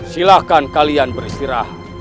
silakan kalian beristirahat